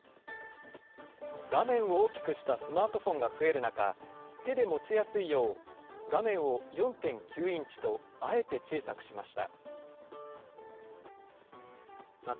画面を大きくしたスマートフォンが増える中、手で持ちやすいよう、画面を４．９インチとあえて小さくしました。